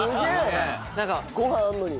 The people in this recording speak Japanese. ご飯あるのに。